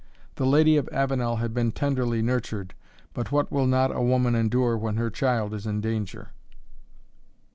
The Lady of Avenel had been tenderly nurtured, but what will not a woman endure when her child is in danger?